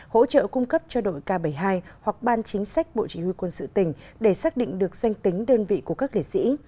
hỗ trợ cung cấp cho đội k bảy mươi hai hoặc ban chính sách bộ chỉ huy quân sự tỉnh để xác định được danh tính đơn vị của các liệt sĩ